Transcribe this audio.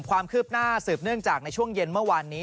ความคืบหน้าสืบเนื่องจากในช่วงเย็นเมื่อวานนี้